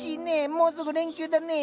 もうすぐ連休だねぇ。